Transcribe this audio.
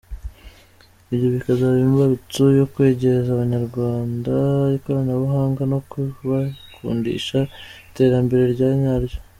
Ibyo bikazaba imbarutso yo kwegereza Abanyarwanda ikoranabuhanga, no kubakundisha iterambere rya ryaryo.